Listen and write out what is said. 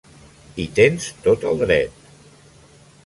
Hi tens tot el dret.